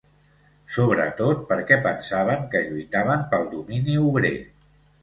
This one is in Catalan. Sobretot, perquè pensaven que lluitaven pel domini obrer